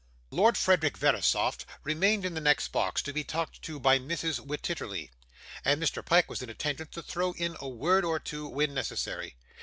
Lord Frederick Verisopht remained in the next box to be talked to by Mrs Wititterly, and Mr. Pyke was in attendance to throw in a word or two when necessary.